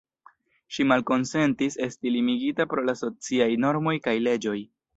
Ŝi malkonsentis esti limigita pro la sociaj normoj kaj leĝoj.